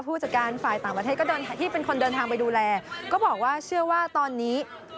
จัดการฝ่ายต่างประเทศก็เดินที่เป็นคนเดินทางไปดูแลก็บอกว่าเชื่อว่าตอนนี้